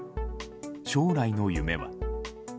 将来の夢は。